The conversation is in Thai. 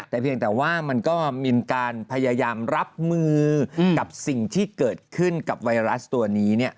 แต่เพียงแต่ว่ามันก็มีการพยายามรับมือกับสิ่งที่เกิดขึ้นกับไวรัสตัวนี้